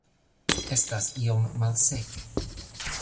Estas iom malseke